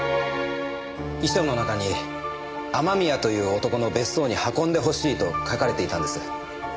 遺書の中に雨宮という男の別荘に運んでほしいと書かれていたんです。